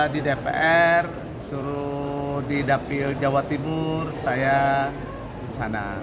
di dpr suruh di dapil jawa timur saya sana